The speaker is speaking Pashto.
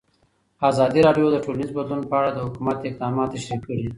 ازادي راډیو د ټولنیز بدلون په اړه د حکومت اقدامات تشریح کړي.